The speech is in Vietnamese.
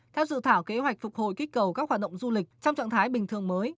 theo dự thảo kế hoạch phục hồi kích cầu các hoạt động du lịch trong trạng thái bình thường mới